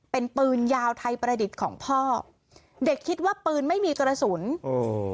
เป็นปืนยาวไทยประดิษฐ์ของพ่อเด็กคิดว่าปืนไม่มีกระสุนโอ้